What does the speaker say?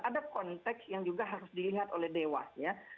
ada konteks yang juga harus diingat oleh dewas ya